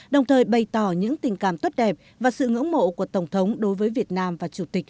đồng thời bày tỏ những tình cảm tốt đẹp và sự ngưỡng mộ của tổng thống đối với việt nam và chủ tịch